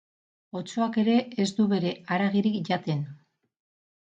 Otsoak ere ez du bere haragirik jaten.